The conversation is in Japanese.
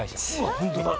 本当だ。